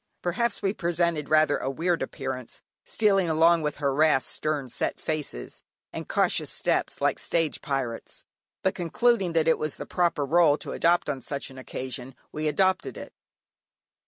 Perhaps we presented rather a weird appearance, stealing along with harassed, stern set faces, and cautious steps, like stage pirates, but concluding that it was the proper rôle to adopt on such an occasion we adopted it.